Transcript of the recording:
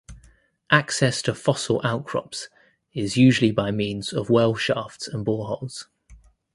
Access to fossil outcrops is usually by means of well shafts and boreholes.